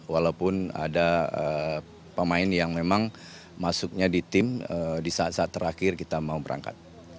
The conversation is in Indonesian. walaupun ada pemain yang memang masuknya di tim di saat saat terakhir kita mau berangkat